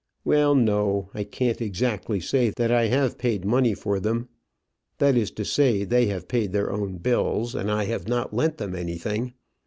"Well, no; I can't exactly say that I have paid money for them. That is to say, they have paid their own bills, and I have not lent them anything.